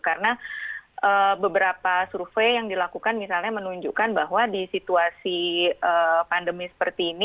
karena beberapa survei yang dilakukan misalnya menunjukkan bahwa di situasi pandemi seperti ini